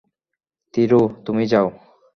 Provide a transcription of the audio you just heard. থিরু, তুমি যাও।